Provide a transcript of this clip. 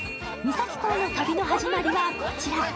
三崎港の旅の始まりはこちら。